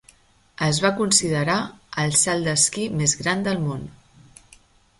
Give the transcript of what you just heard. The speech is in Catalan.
Es va considerar "el salt d'esquí més gran del món".